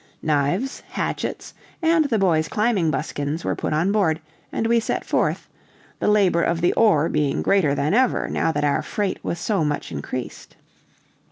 Knives, hatchets, and the boys' climbing buskins, were put on board, and we set forth, the labor of the oar being greater than ever, now that our freight was so much increased.